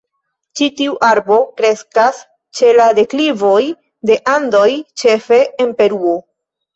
Ĉi tiu arbo kreskas ĉe la deklivoj de la Andoj, ĉefe en Peruo.